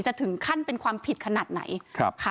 จะถึงขั้นเป็นความผิดขนาดไหน